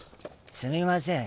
すみません